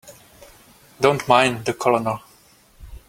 Don't mind the Colonel.